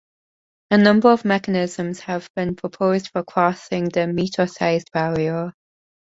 A number of mechanisms have been proposed for crossing the 'meter-sized' barrier.